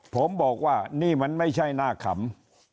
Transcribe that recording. ผมบอกว่านี่มันไม่ใช่หน้าขำ